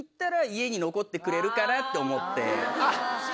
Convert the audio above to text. って思って。